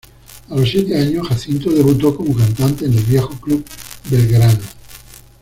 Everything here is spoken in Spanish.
A los siete años Jacinto debutó como cantante en el viejo Club Belgrano.